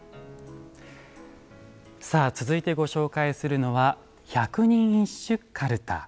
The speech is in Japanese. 続いて、ご紹介するのは「百人一首かるた」。